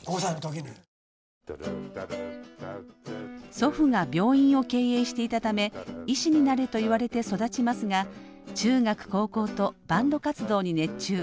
祖父が病院を経営していたため医師になれと言われて育ちますが中学高校とバンド活動に熱中。